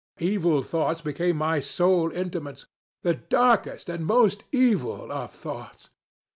Evil thoughts became my sole intimatesŌĆöthe darkest and most evil of thoughts.